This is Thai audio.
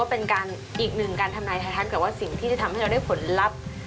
แต่ว่าสิ่งที่จะทำให้เราได้ผลลัพธ์